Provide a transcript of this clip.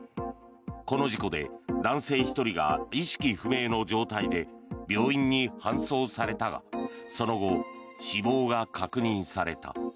この事故で男性１人が意識不明の状態で病院に搬送されたがその後、死亡が確認された。